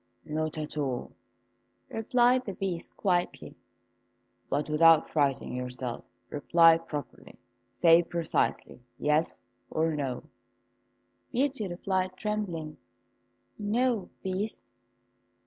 "Not at all," replied the Beast, quietly; "but without frightening yourself, reply properly. Say precisely 'yes' or 'no.'" Beauty replied, trembling, "No, Beast."